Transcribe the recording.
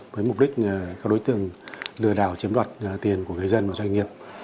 với mục đích các đối tượng lừa đảo chiếm đoạt tiền của người dân và doanh nghiệp